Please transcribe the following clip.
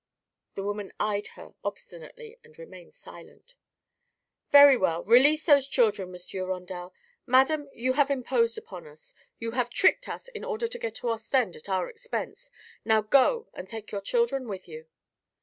The woman eyed her obstinately and remained silent. "Very well. Release those children, Monsieur Rondel. Madam, you have imposed upon us; you have tricked us in order to get to Ostend at our expense. Now go, and take your children with you."